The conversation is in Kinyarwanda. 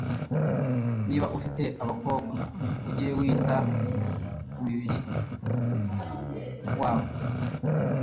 niba ufite abakobwa, ujye wita ku mubiri wabo